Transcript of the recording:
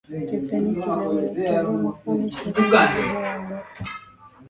titanic iliwekewa mafundo ishirini na moja ya upepo